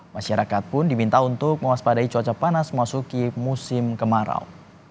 masyarakat pun diminta untuk mewaspadai cuaca panas memasuki musim kemarau